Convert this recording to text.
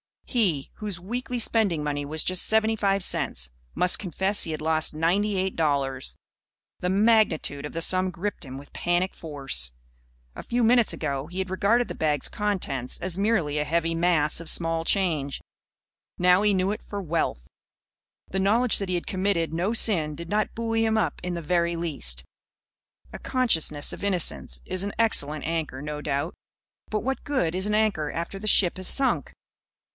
He whose weekly spending money was just seventy five cents must confess he had lost ninety eight dollars. The magnitude of the sum gripped him with panic force. A few minutes ago he had regarded the bag's contents as merely a heavy mass of small change. Now he knew it for Wealth. The knowledge that he had committed no sin did not buoy him up in the very least. A consciousness of innocence is an excellent anchor, no doubt. But what good is an anchor after the ship has sunk?